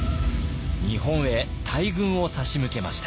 日本へ大軍を差し向けました。